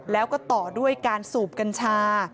แล้วก็ต่อด้วยการสูบกัญชา